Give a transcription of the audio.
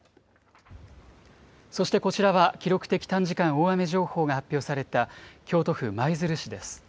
そしてこちらは記録的短時間大雨情報が発表された京都府舞鶴市です。